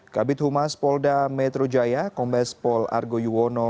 kabit humas polda metro jaya kombes pol argo yuwono